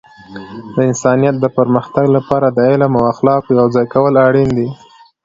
د انسانیت د پرمختګ لپاره د علم او اخلاقو یوځای کول اړین دي.